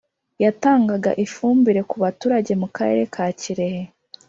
yatangaga ifumbire ku baturage mu Karere ka Kirehe